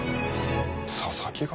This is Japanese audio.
佐々木が？